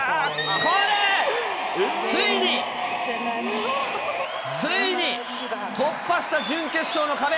これ、ついに、ついに、突破した準決勝の壁。